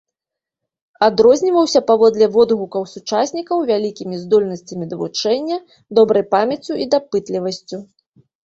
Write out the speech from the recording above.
Адрозніваўся, паводле водгукаў сучаснікаў, вялікімі здольнасцямі да вучэння, добрай памяццю і дапытлівасцю.